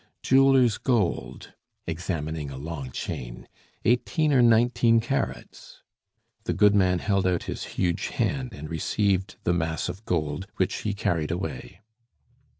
Jeweller's gold," examining a long chain, "eighteen or nineteen carats." The goodman held out his huge hand and received the mass of gold, which he carried away.